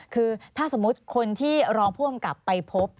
คือถ้าสมมุติคนที่รองผู้อำกับไปพบ